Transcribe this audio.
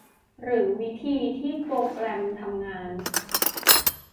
หรือวิธีที่โปรแกรมทำงาน